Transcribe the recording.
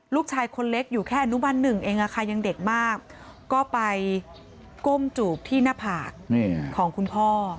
ลูกชายคนเล็กอยู่แค่อนุบันหนึ่งเองยังเด็กมากก็ไปก้มจูบที่หน้าผากของคุณพ่อ